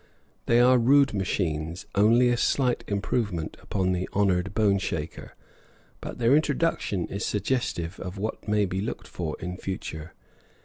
They are rude machines, only a slight improvement upon the honored boneshaker; but their introduction is suggestive of what may be looked for in the future.